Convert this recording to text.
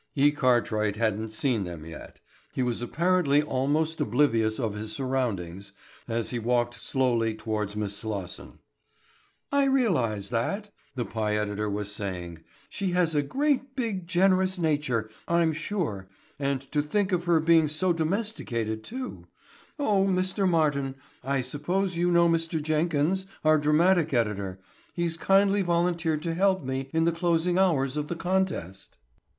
E. Cartwright hadn't seen them yet. He was apparently almost oblivious of his surroundings as he walked slowly towards Miss Slosson. "I realize that," the pie editor was saying. "She has a great, big, generous nature, I'm sure and to think of her being so domesticated, too. Oh, Mr. Martin, I suppose you know Mr. Jenkins, our dramatic editor. He's kindly volunteered to help me in the closing hours of the contest."